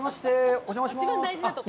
お邪魔します。